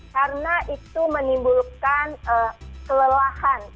karena itu menimbulkan kelelahan